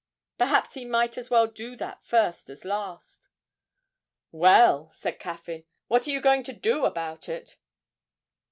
Perhaps he might as well do that first as last. 'Well,' said Caffyn, 'what are you going to do about it?'